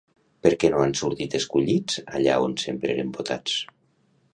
Per què no han sortit escollits allà on sempre eren votats?